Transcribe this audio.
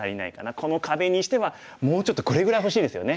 この壁にしてはもうちょっとこれぐらい欲しいですよね。